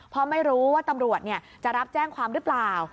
เพราะไม่รู้ว่าตำรวจจะรับแจ้งความหรือเปล่า